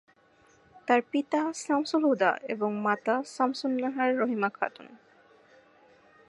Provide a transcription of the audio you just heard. তার পিতা সামসুল হুদা এবং মাতা শামসুন নাহার রহিমা খাতুন।